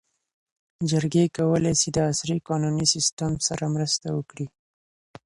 جرګې کولی سي د عصري قانوني سیسټم سره مرسته وکړي.